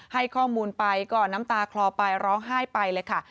ให้ข้อมูลไปก็น้ำตาคลอไปร้องไห้ไปเลยค่ะ